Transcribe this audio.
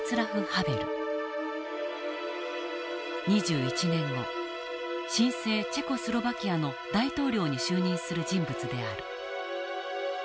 ２１年後新生チェコスロバキアの大統領に就任する人物である。